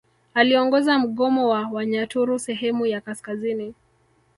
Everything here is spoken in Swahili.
Aliongoza mgomo wa Wanyaturu sehemu ya kaskazini